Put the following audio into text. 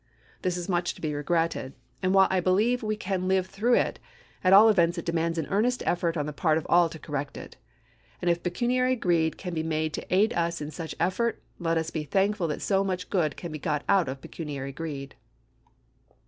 This is much to be regretted ; and, while I believe we can live through it, at all events it demands an earnest effort on the part of all to correct it. And if pecuniary greed can be made to aid us in such effort, let us be thankful that so much good can be got out of pecuniary greed.